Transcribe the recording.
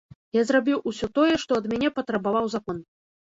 Я зрабіў усё тое, што ад мяне патрабаваў закон.